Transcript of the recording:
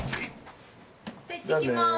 じゃいってきます。